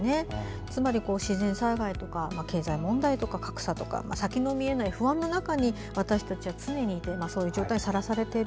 つまり自然災害とか経済問題とか、格差とか先の見えない不安な中に私たちは常にいてその状態にさらされている。